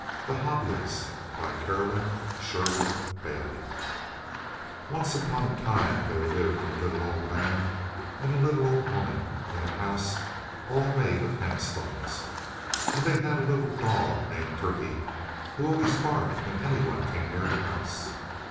The Hobyahs CAROLYN SHERWIN BAILEY Once upon a time there lived a little old man and a little old woman in a house all made of hemp stalks. And they had a little dog named Turpie who always barked when anyone came near the house.